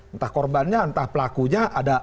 entah korbannya entah pelakunya ada